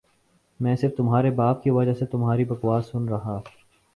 میں صرف تمہارے باپ کی وجہ سے تمہاری بکواس سن ربا